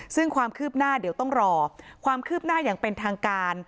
ซึ่งความคืบหน้าเดี๋ยวต้องรอความคืบหน้าอย่างเป็นทางการ